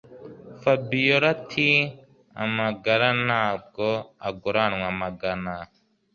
Fabiora atiamagara ntabwo aguranwa amagana